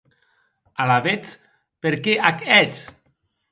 Alavetz, per qué ac hètz?